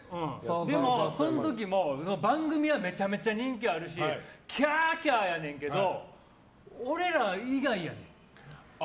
でも、その時も番組はめちゃめちゃ人気あるしキャーキャーやねんけど俺ら以外やねん。